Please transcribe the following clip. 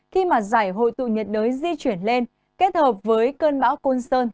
giải hội tụ nhiệt đới di chuyển lên kết hợp với cơn bão côn sơn